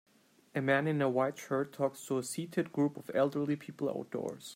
A man in a white shirt talks to a seated group of elderly people outdoors.